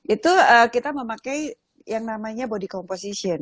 itu kita memakai yang namanya body composition